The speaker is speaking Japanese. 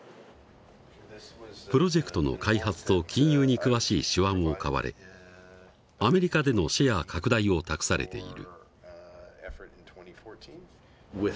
プロジェクトの開発と金融に詳しい手腕を買われアメリカでのシェア拡大を託されている。